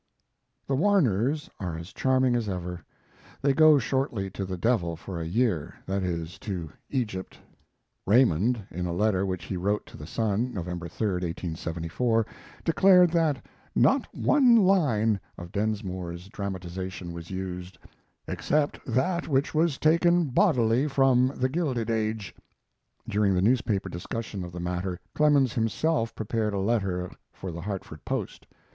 The Warners are as charming as ever. They go shortly to the devil for a year that is, to Egypt. Raymond, in a letter which he wrote to the Sun, November 3, 1874, declared that "not one line" of Densmore's dramatization was used, "except that which was taken bodily from The Gilded Age." During the newspaper discussion of the matter, Clemens himself prepared a letter for the Hartford Post.